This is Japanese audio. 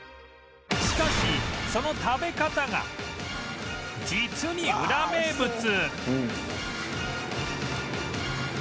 しかしその食べ方が実にウラ名物